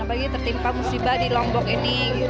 apalagi tertimpa musibah di lombok ini